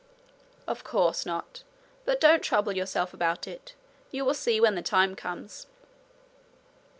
'Of course not. But don't trouble yourself about it. You will see when the time comes.'